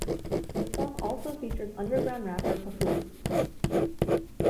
The song also features underground rapper Papoose.